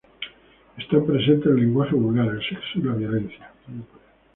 Están presentes el lenguaje vulgar, el sexo y la violencia.